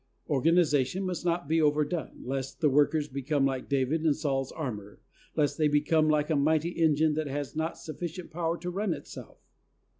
Organization must not be overdone, lest the workers become like David in Saul's armor, lest they become like a mighty engine that has not sufficient power to run itself.